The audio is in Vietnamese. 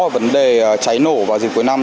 vấn đề cháy nổ vào dịp cuối năm